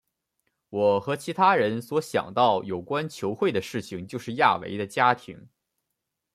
我和其他人所想到有关球会的事情就是亚维的家庭。